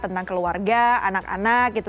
tentang keluarga anak anak gitu